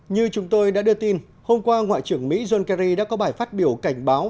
như chúng tôi đã đưa tin hôm qua ngoại trưởng mỹ john kerry đã có bài phát biểu cảnh báo